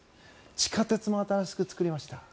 地下鉄も新しく作りました。